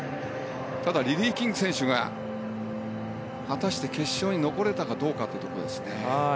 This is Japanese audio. ただ、リリー・キング選手が果たして決勝に残れたかどうかですね。